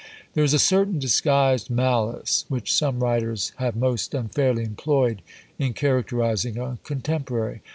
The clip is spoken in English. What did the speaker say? There is a certain disguised malice, which some writers have most unfairly employed in characterising a contemporary.